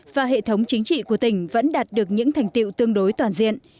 và hệ thống chính trị của tỉnh vẫn đạt được những thành tiệu tương đối toàn diện